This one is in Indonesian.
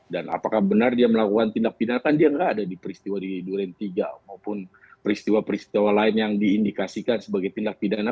dan apakah benar dia melakukan tindak pidana kan dia nggak ada di peristiwa di durian tiga maupun peristiwa peristiwa lain yang diindikasikan sebagai tindak pidana